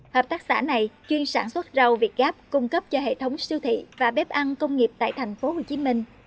hợp tác xã này chuyên sản xuất rau vịt gáp cung cấp cho hệ thống siêu thị và bếp ăn công nghiệp tại tp hcm